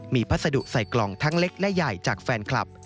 มีพัสดุใส่กล่องทั้งเล็กและใหญ่จากแฟนคลับ